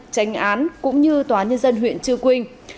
tranh án cũng như tòa nhân dân huyện chư quynh